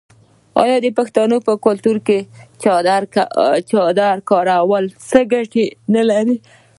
آیا د پښتنو په کلتور کې د څادر کارول څو ګټې نلري؟